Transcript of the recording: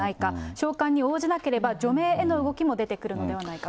召喚に応じなければ除名への動きも出てくるのではないかと。